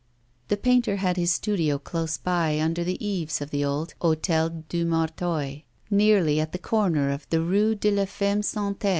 The painter had his studio close by, under the eaves of the old Hôtel du Martoy, nearly at the corner of the Rue de la Femme sans Tête.